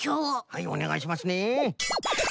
はいおねがいしますね。